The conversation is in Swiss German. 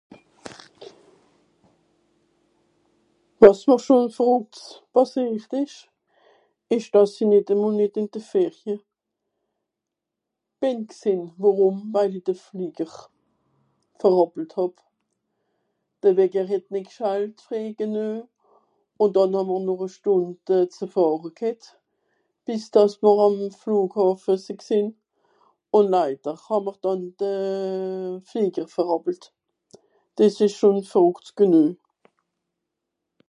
wàs mr schò vòrrùckts pàssiert esch esch dàss i nìt à mòl nìt ìn de Ferie bìn gsìn wàrùm weil ì de Flìger verhàppelt hàb de Wecker het g'schalt freij geneu ùn dànn hàmmr nor à Stùnd euh zu fàhre g'hett bìs dàss mr àm Flòghàffer sìn gsìn ùn laider hàmmr dànn de Fléger verhàppelt des esch schòn verrùckt geneu